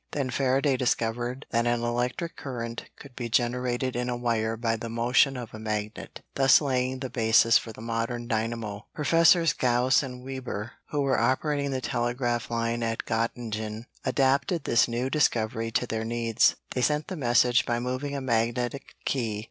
Then Faraday discovered that an electric current could be generated in a wire by the motion of a magnet, thus laying the basis for the modern dynamo. Professors Gauss and Weber, who were operating the telegraph line at Göttingen, adapted this new discovery to their needs. They sent the message by moving a magnetic key.